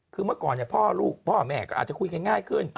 เพราะก่อนเนี่ยพ่อลูกพ่อแม่ก็อาจจะคุยกันง่ายขึ้น